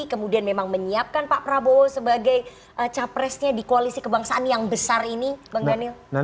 kemudian memang menyiapkan pak prabowo sebagai capresnya di koalisi kebangsaan yang besar ini bang daniel